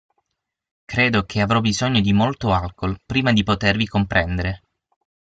Credo che avrò bisogno di molto alcol, prima di potervi comprendere.